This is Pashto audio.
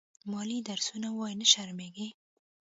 مالې درسونه ووايه نه شرمېږې.